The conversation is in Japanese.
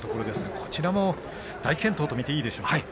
こちらも大健闘とみていいでしょうか？